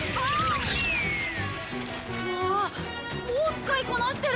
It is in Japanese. もう使いこなしてる。